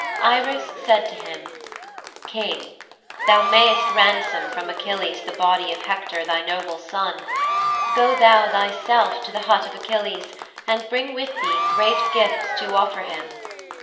Iris said to him, "King, thou mayst ransom from Achilles the body of Hector, thy noble son. Go thou thyself to the hut of Achilles and bring with thee great gifts to offer him.